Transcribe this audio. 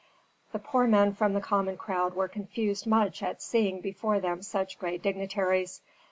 The poor men from the common crowd were confused much at seeing before them such great dignitaries.